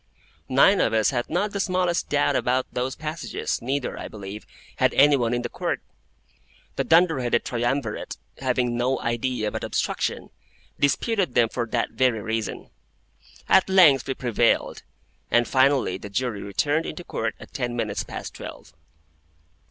Nine of us had not the smallest doubt about those passages, neither, I believe, had any one in the Court; the dunder headed triumvirate, having no idea but obstruction, disputed them for that very reason. At length we prevailed, and finally the Jury returned into Court at ten minutes past twelve.